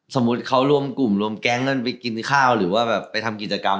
สมมุติเขารวมกลุ่มรวมแก๊งกันไปกินข้าวหรือว่าแบบไปทำกิจกรรม